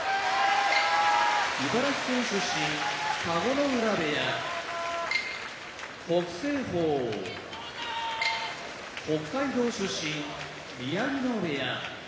茨城県出身田子ノ浦部屋北青鵬北海道出身宮城野部屋